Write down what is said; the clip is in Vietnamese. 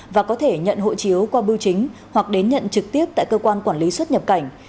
và có thể nhận hộ chiếu qua bưu chính hoặc đến nhận trực tiếp tại cơ quan quản lý xuất nhập cảnh